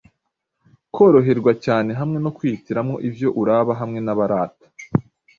kworoherwa cyane hamwe no kwihitiramwo ivyo uraba hamwe n'abarata